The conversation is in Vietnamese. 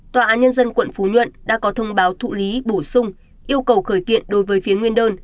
tòa án nhân dân quận phú nhuận đã có thông báo thụ lý bổ sung yêu cầu khởi kiện đối với phía nguyên đơn